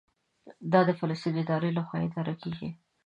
دا د فلسطیني ادارې لخوا اداره کېږي.